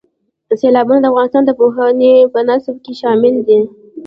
سیلابونه د افغانستان د پوهنې په نصاب کې شامل دي.